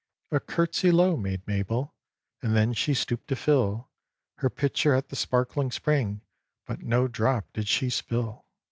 A curtsey low made Mabel, And then she stooped to fill Her pitcher at the sparkling spring, But no drop did she spill.